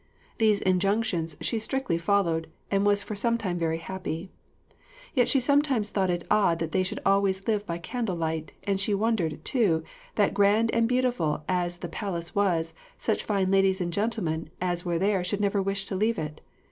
These injunctions she strictly followed, and was for some time very happy; yet she sometimes thought it odd that they should always live by candle light; and she wondered, too, that grand and beautiful as the palace was, such fine ladies and gentlemen as were there should never wish to leave it.